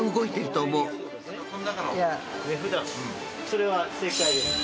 それは正解です。